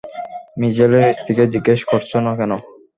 মিচেলের স্ত্রীকে জিজ্ঞেস করছ না কেন?